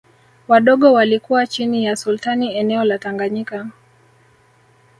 Wadogo walikuwa chini ya Sultani eneo la Tanganyika